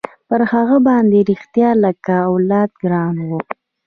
پر هغه باندې رښتيا لکه اولاد ګران وم.